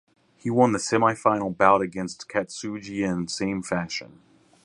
He won the semifinal bout against Katsuji in same fashion.